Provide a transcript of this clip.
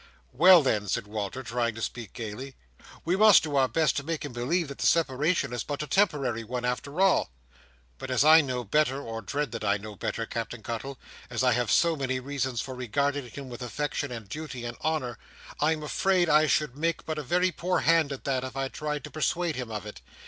"Well then," said Walter, trying to speak gaily, "we must do our best to make him believe that the separation is but a temporary one, after all; but as I know better, or dread that I know better, Captain Cuttle, and as I have so many reasons for regarding him with affection, and duty, and honour, I am afraid I should make but a very poor hand at that, if I tried to persuade him of it.